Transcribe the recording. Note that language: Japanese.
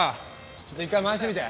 ちょっと１回まわしてみて！